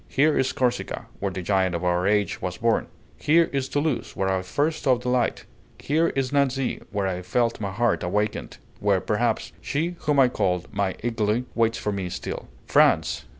Here is Corsica, where the giant of our age was born; here is Toulouse, where I first saw the light; here is Nancy, where I felt my heart awakened where, perhaps, she whom I call my Aeglé waits for me still! France!